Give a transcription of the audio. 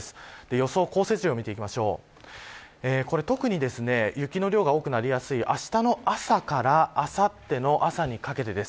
予想降雪量を見ると特に雪の量が多くなりやすいあしたの朝からあさっての朝にかけてです。